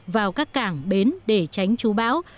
vào các cảng bến để tránh trú bão